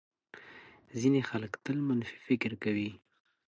ځینې خلک تل منفي فکر کوي.